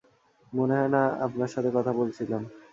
মনে হয় না আপনার সাথে কথা বলছিলাম।